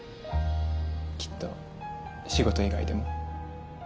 きっと仕事以外でも。